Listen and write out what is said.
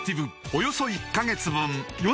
およそ１カ月分